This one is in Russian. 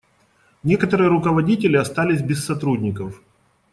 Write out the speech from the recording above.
Некоторые руководители остались без сотрудников.